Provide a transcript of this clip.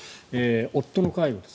夫の介護です。